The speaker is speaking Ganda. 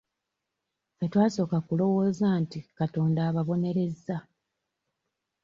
Ffe twasooka kulowooza nti Katonda ababonerezza.